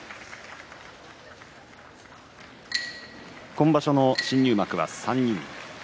今場所の新入幕は３人。